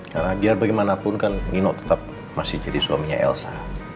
karena biar bagaimanapun kan ngino tetap masih jadi suaminya elsa